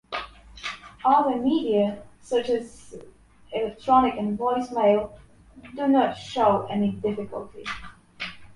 Other media, such as electronic and voice mail, do not show any difficulty.